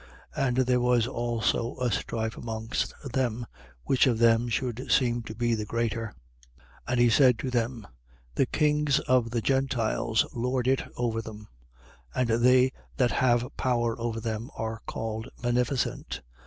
22:24. And there was also a strife amongst them, which of them should seem to be the greater. 22:25. And he said to them: The kings of the Gentiles lord it over them; and they that have power over them are called beneficent.